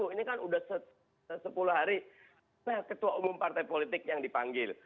ini kan sudah sepuluh hari ketua umum partai politik yang dipanggil